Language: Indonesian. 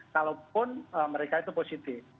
kalaupun mereka itu positif